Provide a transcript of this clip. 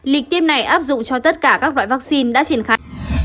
lịch tiêm này áp dụng cho tất cả các loại vaccine đã triển khai